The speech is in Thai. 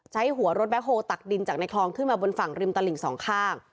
ใช้หัวรถแบ็คโฮลตักดินจากในคลองขึ้นมาบนฝั่งริมตลิ่งสองข้าง